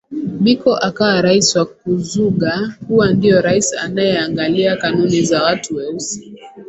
Biko akawa rais wa kuzuga kuwa ndio rais anaeangalia kanuni za watu weusi